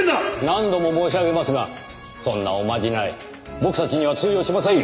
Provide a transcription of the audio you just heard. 何度も申し上げますがそんなおまじない僕たちには通用しませんよ！